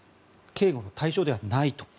警護の対象ではないと。